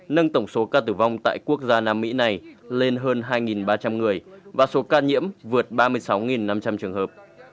nâng tổng số ca tử vong tại quốc gia nam mỹ này lên hơn hai ba trăm linh người và số ca nhiễm vượt ba mươi sáu năm trăm linh trường hợp